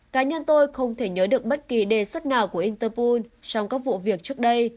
cá nhân tôi không thể nhớ được bất kỳ đề xuất nào của interpol trong các vụ việc trước đây